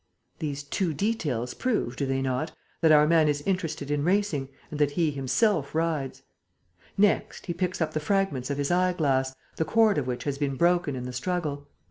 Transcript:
These two details prove do they not? that our man is interested in racing and that he himself rides. Next, he picks up the fragments of his eyeglass, the cord of which has been broken in the struggle.